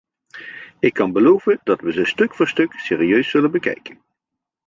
Ik kan beloven dat we ze stuk voor stuk serieus zullen bekijken.